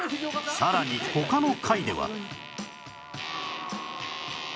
さらに他の回では